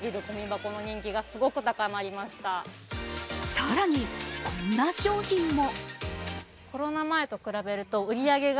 更に、こんな商品も。